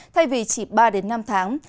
thay vì chỉ ba năm tháng